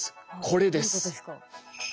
これです。